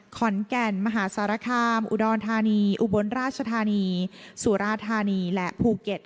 ขอนแก่นมหาสารคามอุดรธานีอุบลราชธานีสุราธานีและภูเก็ต